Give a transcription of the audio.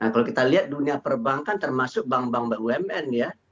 kalau kita lihat dunia perbankan termasuk bank bank umn